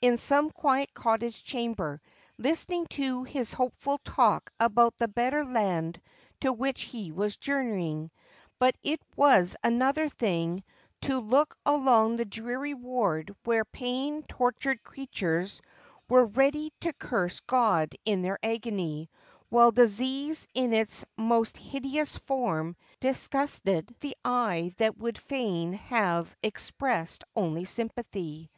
in some quiet cottage chamber, listening to his hopeful talk about the better land to which he was journeying : but it was another thing t" look along the dreary ward where pain tortured creatures were ready to curse God in their agony, while disease in its most hideous form disgusted the eye that would fain have expressed only sympathy.